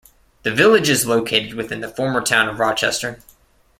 The village is located within the former Town of Rochester.